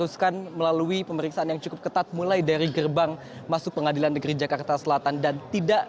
jalan yang cukup ketat mulai dari gerbang masuk pengadilan negeri jakarta selatan dan tidak